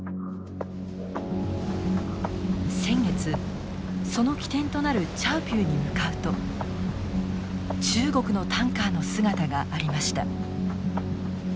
先月その起点となるチャウピューに向かうと中国のタンカーの姿がありました。